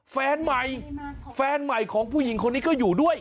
แฟนใหม่แฟนใหม่ของผู้หญิงคนนี้ก็อยู่ด้วย